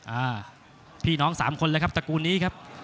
อ่าพี่น้องสามคนเลยครับตระกูลนี้ครับ